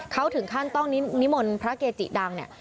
เขาถึงขั้นต้องนิมนต์พระเกจิดังเนี่ย